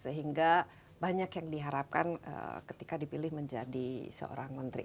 sehingga banyak yang diharapkan ketika dipilih menjadi seorang menteri